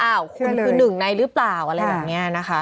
เอ้าคุณคือหนึ่งนัยหรือเปล่า